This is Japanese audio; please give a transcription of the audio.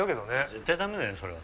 絶対ダメだよそれは。